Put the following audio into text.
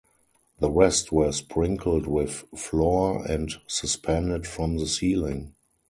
The rest were sprinkled with flour and suspended from the ceiling.